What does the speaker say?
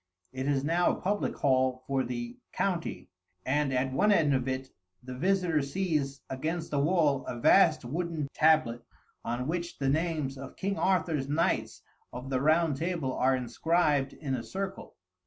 It is now a public hall for the county; and at one end of it the visitor sees against the wall a vast wooden tablet on which the names of King Arthur's knights of the Round Table are inscribed in a circle.